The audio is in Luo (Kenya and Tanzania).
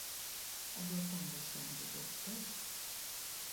Adwa pango sande go tee .